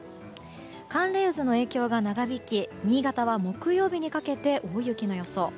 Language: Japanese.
寒冷渦の影響が長引き、新潟は木曜日にかけて大雪の予想。